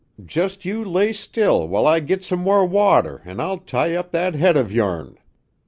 "Just you lay still while I git some more water, an' I'll tie up that head of yourn."